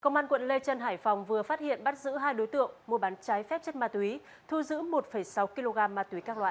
công an quận lê trân hải phòng vừa phát hiện bắt giữ hai đối tượng mua bán trái phép chất ma túy thu giữ một sáu kg ma túy các loại